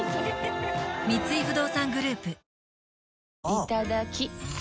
いただきっ！